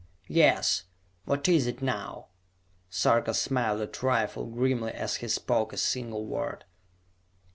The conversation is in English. "Yes! What is it now?" Sarka smiled a trifle grimly as he spoke a single word.